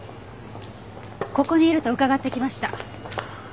ここにいると伺って来ました。